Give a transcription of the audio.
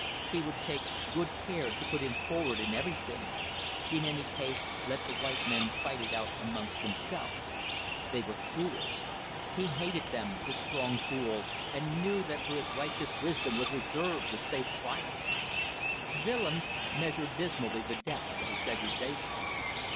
He would take good care to put him forward in everything. In any case let the white men fight it out amongst themselves. They were fools. He hated them the strong fools and knew that for his righteous wisdom was reserved the safe triumph. Willems measured dismally the depth of his degradation.